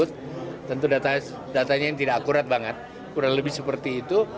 tentu datanya yang tidak akurat banget kurang lebih seperti itu